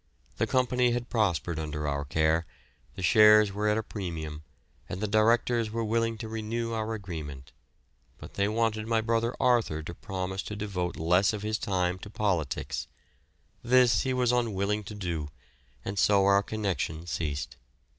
The company had prospered under our care, the shares were at a premium, and the directors were willing to renew our agreement; but they wanted my brother Arthur to promise to devote less of his time to politics; this he was unwilling to do, and so our connection ceased.